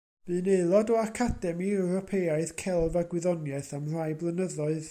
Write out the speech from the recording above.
Bu'n aelod o Academi Ewropeaidd Celf a Gwyddoniaeth am rai blynyddoedd.